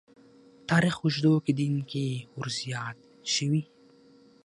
تاریخ اوږدو کې دین کې ورزیات شوي.